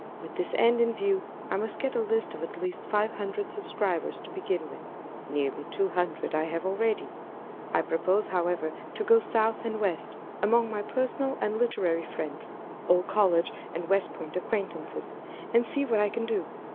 With this end in view, I must get a list of at least five hundred subscribers to begin with; nearly two hundred I have already. I propose, however, to go South and West, among my personal and literary friends—old college and West Point acquaintances—and see what I can do.